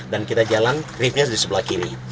dan kita jalan riftnya di sebelah kiri